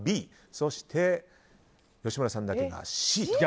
そして、吉村さんだけがＣ。